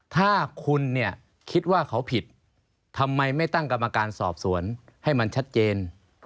ถ้าคุณเนี่ยคิดว่าเขาผิดทำไมไม่ตั้งกรรมการสอบสวนให้มันชัดเจน